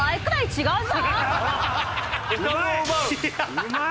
うまい！